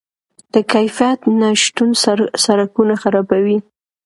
د کیفیت نشتون سرکونه خرابوي.